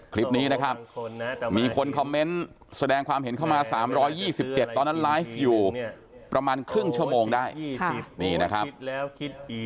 คลิปนี้นะครับมีคนคอมเมนต์แสดงความเห็นเข้ามา๓๒๗ตอนนั้นไลฟ์อยู่ประมาณครึ่งชั่วโมงได้นะครับ